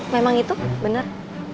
memang itu bener